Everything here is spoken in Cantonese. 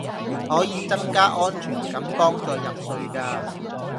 可以增加安全感幫助入睡架